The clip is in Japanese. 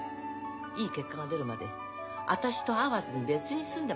いい結果が出るまで私と会わずに別に住んでましょっか。